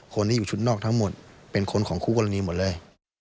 คนที่อยู่ชุดนอกทั้งหมดเป็นคนของคู่กรณีหมดเลย